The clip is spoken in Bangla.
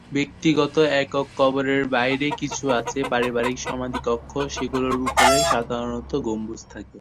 ব্যক্তিগত একক কবরের বাইরে কিছু আছে পারিবারিক সমাধি কক্ষ, যেগুলোর উপরে সাধারণত গম্বুজ থাকে।